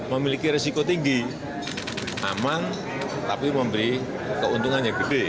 memiliki resiko tinggi aman tapi memberi keuntungan yang gede